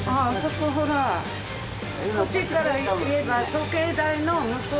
こっちから言えば時計台の向こう。